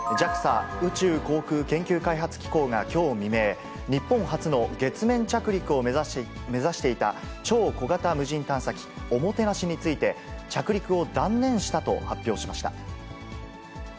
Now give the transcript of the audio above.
ＪＡＸＡ・宇宙航空研究開発機構がきょう未明、日本初の月面着陸を目指していた超小型無人探査機、オモテナシについて、着陸を断念したと発表しました。